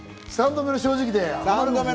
３度目の正直で。